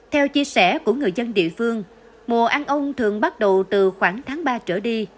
theo chia sẻ của người dân địa phương mùa ăn ong thường bắt đầu từ khoảng tháng ba trở đi